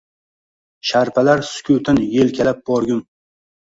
Sharpalar sukutin yelkalab borgum